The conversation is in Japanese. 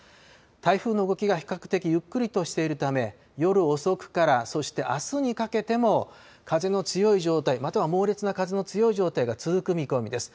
台風の動きが比較的ゆっくりとしているため夜遅くからそして、あすにかけても風の強い状態、または猛烈な風の強い状態が続く見込みです。